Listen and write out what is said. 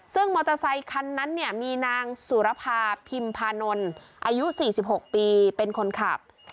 ซึ่งมอเตอร์ไซคันนั้นเนี่ยมีนางสุรภาพิมพานนท์อายุ๔๖ปีเป็นคนขับ